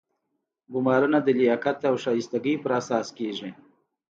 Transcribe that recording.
ګمارنه د لیاقت او شایستګۍ په اساس کیږي.